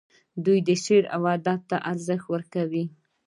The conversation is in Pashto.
دوی شعر او ادب ته ارزښت ورکوي.